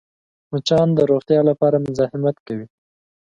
مچان د روغتیا لپاره مزاحمت کوي